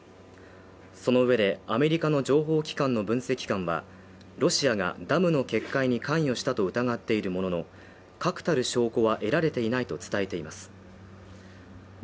その上で、アメリカの情報機関の分析官は、ロシアがダムの決壊に関与したと疑っているものの、確たる証拠は得られていないと伝えています。